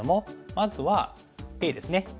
まずはＡですね。